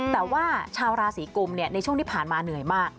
แต่ว่าชาวราศีกุมในช่วงที่ผ่านมาเหนื่อยมาก